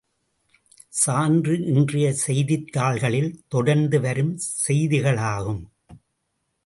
சான்று இன்றைய செய்தித்தாள்களில் தொடர்ந்து வரும் செய்திகளாகும்.